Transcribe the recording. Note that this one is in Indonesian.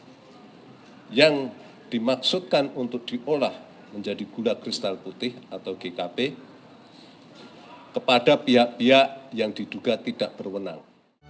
kementerian perdagangan diduga telah menerbitkan untuk diolah menjadi gula kristal putih atau gkp kepada pihak pihak yang diduga tidak berwenang